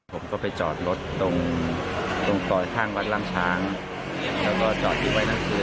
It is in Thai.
ผมก็ไปจอดรถตรงต่อข้างวัดล่ามช้างแล้วก็จอดที่ไว้น้ำคืน